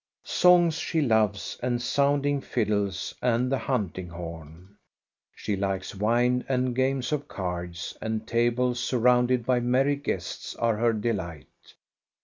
Songs \ she loves, and sounding fiddles, and the huntingi^'j horn. She likes wine and games of cards, and tables surrounded by merry guests are her delight.